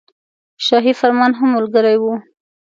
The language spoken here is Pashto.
شاهي فرمان هم ملګری وو.